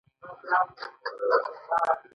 زرګونه کاله تیر شول تر څو وضعیت بدل شو.